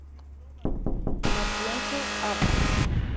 B. Matienzo, Av.